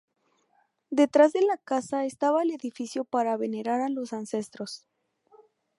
Detrás de la casa estaba el edificio para venerar a los ancestros.